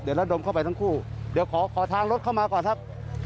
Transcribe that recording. เดี๋ยวระดมเข้าไปทั้งคู่เดี๋ยวขอทางรถเข้ามาก่อนครับ